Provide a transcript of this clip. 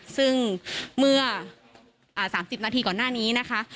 ซึ่งเมื่อ๓๐นาทีก่อนหน้านี้นะคะ